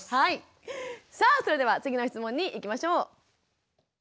さあそれでは次の質問にいきましょう。